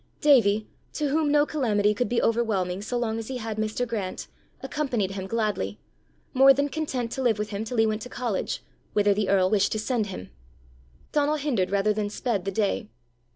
Davie, to whom no calamity could be overwhelming so long as he had Mr. Grant, accompanied him gladly, more than content to live with him till he went to college, whither the earl wished to send him. Donal hindered rather than sped the day.